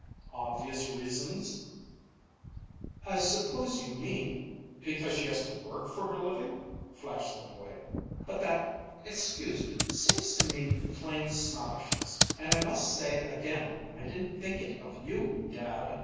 "Obvious reasons." "I suppose you mean because she has to work for her living," flashed the boy. "But that excuse me seems to me plain snobbishness. And I must say again I didn't think it of you, dad.